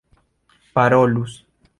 parolus